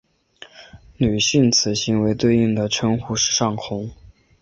女性此行为对应的称呼是上空。